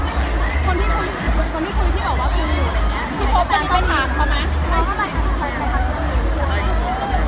ก็ไม่เลี่ยงให้เราแวร์